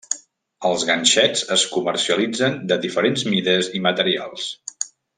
Els ganxets es comercialitzen de diferents mides i materials.